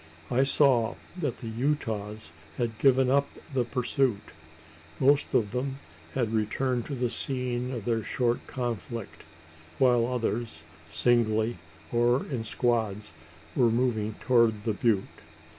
I saw that the Utahs had given up the pursuit. Most of them had returned to the scene of their short conflict; while others, singly or in squads, were moving towards the butte.